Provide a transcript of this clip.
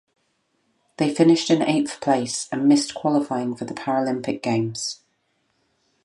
They finished in eighth place and missed qualifying for the Paralympic Games.